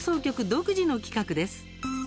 独自の企画です。